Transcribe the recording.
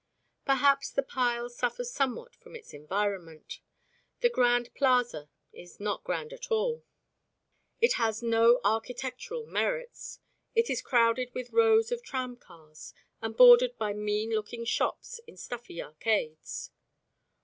Perhaps the pile suffers somewhat from its environment. The Grand Plaza is not grand at all. It has no architectural merits; it is crowded with rows of tramcars and bordered by mean looking shops in stuffy arcades.